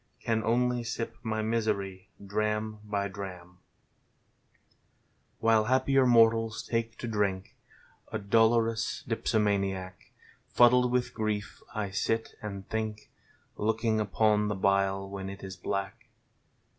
Can only sip my misery dram by dram. Ninth Philosopher's Song 35 While happier mortals take to drink, A dolorous dipsomaniac. Fuddled with grief I sit and think. Looking upon the bile when it is black.